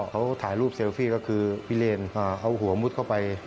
เขาถ่ายรูปเซลฟี่ก็คือพี่เลนเอาหัวมุดเข้าไป